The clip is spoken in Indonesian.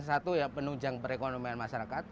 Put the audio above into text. satu ya penunjang perekonomian masyarakat